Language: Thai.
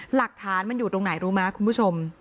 หลักฐานมันอยู่ตรงไหนรู้ไหมคุณผู้ชม